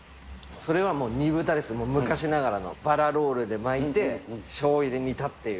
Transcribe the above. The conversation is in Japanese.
それはもう煮豚です、もう昔ながらの、バラロールで巻いて、しょうゆで煮たっていう。